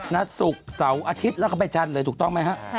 ศุกร์เสาร์อาทิตย์แล้วก็ไปจันทร์เลยถูกต้องไหมฮะ